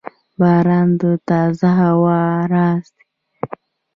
• باران د تازه هوا راز دی.